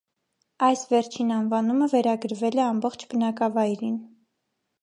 Այս վերջին անվանումը վերագրվել է ամբողջ բնակավայրին։